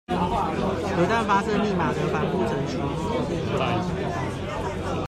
核彈發射密碼的繁複程序